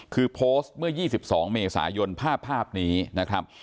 คือโพสต์เมื่อ๒๒เมษายนภาพนี้นะครับ